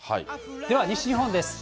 では西日本です。